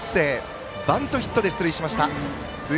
バントで出塁しました。